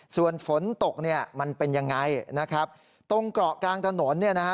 ส่วนฝนตกเนี่ยมันเป็นยังไงนะครับตรงเกาะกลางถนนเนี่ยนะฮะ